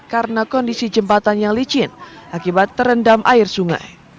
karena kondisi jembatan yang licin akibat terendam air sungai